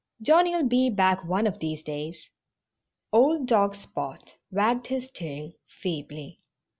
Johnnie'll be back one of these days." Old dog Spot wagged his tail feebly.